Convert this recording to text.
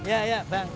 ya ya bang